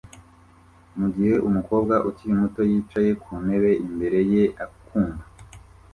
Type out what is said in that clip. mugihe umukobwa ukiri muto yicaye kuntebe imbere ye akumva